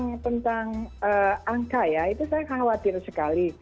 yang tentang angka ya itu saya khawatir sekali